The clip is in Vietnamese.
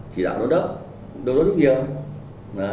chỉ đạo đốt đất đốt đất rất nhiều